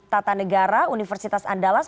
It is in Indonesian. tata negara universitas andalas